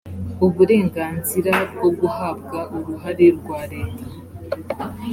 uburenganzira bwo guhabwa uruhare rwa leta